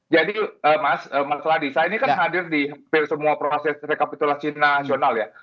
jadi mas ladi saya ini kan hadir di hampir semua proses rekapitulasi nasional ya